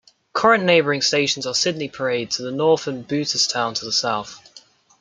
Current neighbouring stations are Sydney Parade to the north and Booterstown to the south.